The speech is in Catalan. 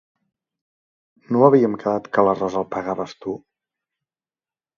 No havíem quedat que l'arròs el pagaves tu?